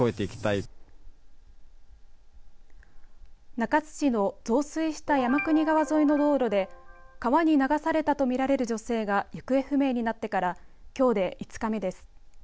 中津市の増水した山国川沿いの道路で川に流されたと見られる女性が行方不明になってからきょうで５日目です。